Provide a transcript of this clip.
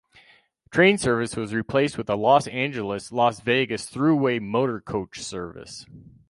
Train service was replaced with a Los Angeles-Las Vegas Thruway Motorcoach service.